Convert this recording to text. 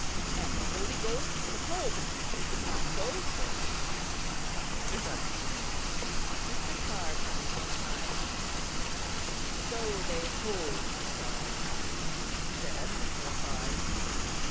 "And the Holy Ghost the Pope; is it not so, sir?" asked Mr. Buxton. Mr. Carr turned an eye on him. "So they hold, sir," he said after a pause.